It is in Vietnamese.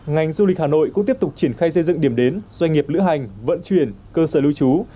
ngành du lịch hà nội cũng tiếp tục triển khai xây dựng điểm đến doanh nghiệp lữ hành vận chuyển cơ sở lưu trú